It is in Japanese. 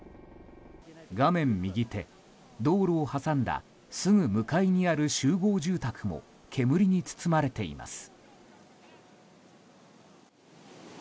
画面右手、道路を挟んだすぐ向かいにある集合住宅も煙に包まれています。